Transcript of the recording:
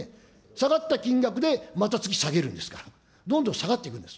下がった金額でまた次下げるんですから、どんどん下がっていくんです。